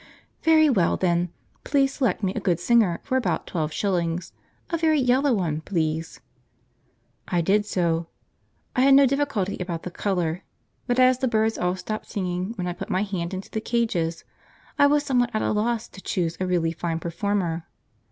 "Very well, then, please select me a good singer for about twelve shillings; a very yellow one, please." I did so. I had no difficulty about the colour; but as the birds all stopped singing when I put my hand into the cages, I was somewhat at a loss to choose a really fine performer.